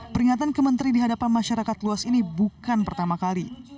peringatan ke menteri di hadapan masyarakat luas ini bukan pertama kali